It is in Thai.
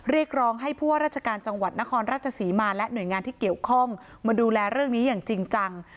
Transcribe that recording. เรียกร้องให้ผู้ว่าราชการจังหวัดนครราชศรีมาและหน่วยงานที่เกี่ยวข้องมาดูแลเรื่องนี้อย่างจริงจัง